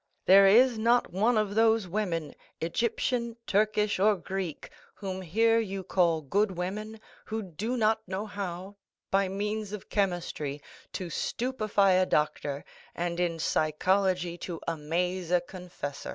There is not one of those women, Egyptian, Turkish, or Greek, whom here you call 'good women,' who do not know how, by means of chemistry, to stupefy a doctor, and in psychology to amaze a confessor."